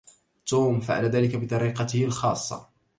توم فعل ذلك بطريقته الخاصة.